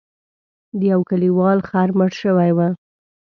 د یو کلیوال خر مړ شوی و.